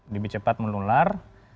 lebih cepat menular